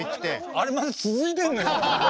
あれまだ続いてんのよ。